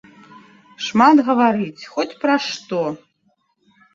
Шмат гаварыць, хоць пра што.